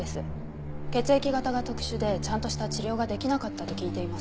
血液型が特殊でちゃんとした治療ができなかったと聞いています。